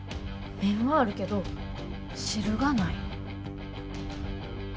麺はあるけど汁がない。